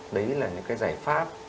đấy là những cái giải pháp